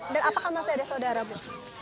apakah masih ada saudara bu